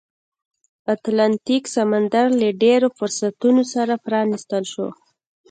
اتلانتیک سمندر له لا ډېرو فرصتونو سره پرانیستل شو.